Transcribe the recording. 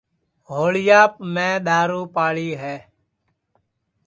ہوݪِیاپ میں دؔارُو پاڑی ہے